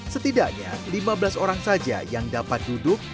setidaknya lima belas orang saja yang dapat duduk